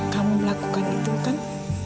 kamu melakukan itu kan